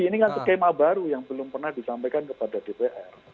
ini kan skema baru yang belum pernah disampaikan kepada dpr